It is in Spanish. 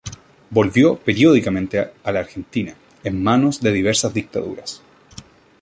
Volvió periódicamente a la Argentina ―en manos de diversas dictaduras―.